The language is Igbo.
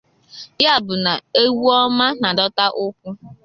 Ya bụ na egwu ọma na-adọta ụkwụ.